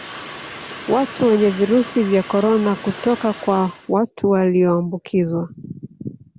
Watu wenye Virusi vya Corona kutoka kwa watu walioambukizwa